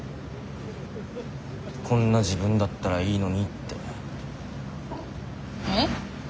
「こんな自分だったらいいのに」って。え？